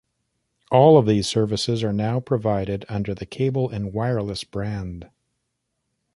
All of these services are now provided under the Cable and Wireless brand.